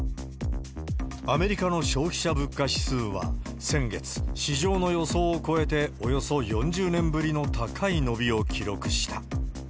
アメリカの消費者物価指数は、先月、市場の予想を超えて、およそ４０年ぶりの高い伸びを記録した。